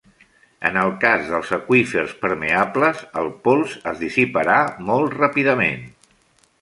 En el cas dels aqüífers permeables, el pols es dissiparà molt ràpidament.